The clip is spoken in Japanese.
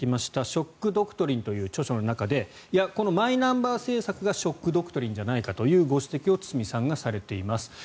「ショック・ドクトリン」という著書の中でこのマイナンバー政策がショック・ドクトリンなんじゃないかと堤さんがされています。